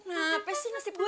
sini disini disini